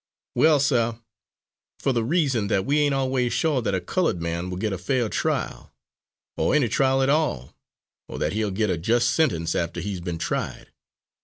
"Well, sir, fer the reason that we ain't always shore that a coloured man will get a fair trial, or any trial at all, or that he'll get a just sentence after he's been tried.